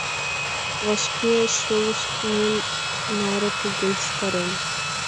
Вашке шолыштмем наре поген ситарем.